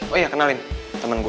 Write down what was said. oh iya kenalin temen gue